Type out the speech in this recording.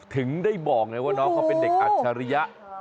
ถึงได้บอกไงว่าน้องเขาเป็นเด็กอัจฉริยะ